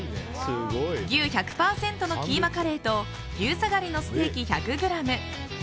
牛１００％のキーマカレーと牛サガリのステーキ１００ｇ